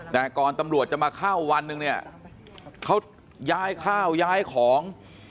แต่ก่อนตำรวจจะมาเข้าวันหนึ่งเนี่ยเขาย้ายข้าวย้ายของ